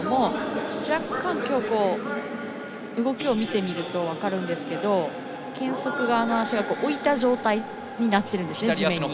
若干、今日の動きを見てみると分かるんですが健側側の足が置いた状態になっているんですね。